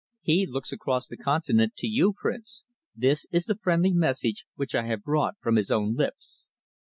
He looks across the continent to you, Prince. This is the friendly message which I have brought from his own lips."